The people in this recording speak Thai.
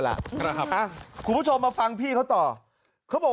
การนอนไม่จำเป็นต้องมีอะไรกัน